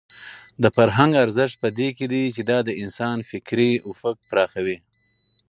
د فرهنګ ارزښت په دې کې دی چې دا د انسان فکري افق پراخوي.